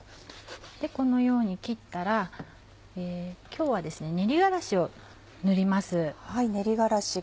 このように切ったら今日は練り辛子を塗ります。